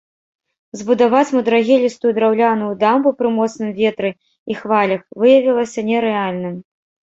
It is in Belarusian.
Збудаваць мудрагелістую драўняную дамбу пры моцным ветры і хвалях выявілася нерэальным.